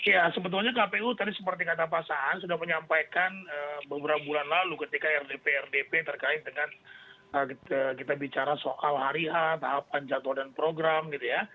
ya sebetulnya kpu tadi seperti kata pasangan sudah menyampaikan beberapa bulan lalu ketika rdp rdp terkait dengan kita bicara soal hariah tahapan jatuh dan program gitu ya